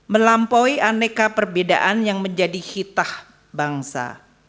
melampaui aneka perbedaan yang menjadi hitah bangsa